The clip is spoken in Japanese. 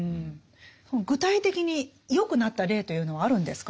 具体的に良くなった例というのはあるんですか？